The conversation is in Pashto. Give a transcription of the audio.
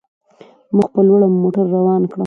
مخ په لوړه مو موټر روان کړ.